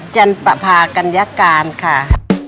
จันปภากัญญาการค่ะ